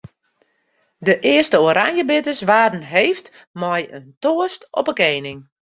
De earste oranjebitters waarden heefd mei in toast op 'e kening.